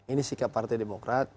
ini sikap partai demokrat